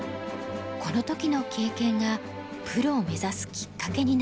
この時の経験がプロを目指すきっかけになりました。